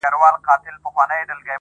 مین دي کړم خو لېونی دي نه کړم-